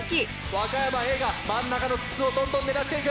和歌山Ａが真ん中の筒をどんどん狙っていく。